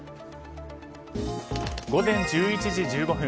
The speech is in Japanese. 午前１１時１５分。